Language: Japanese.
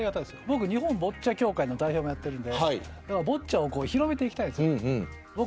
僕、日本ボッチャ協会の代表もやっているのでボッチャを広めていきたいんです僕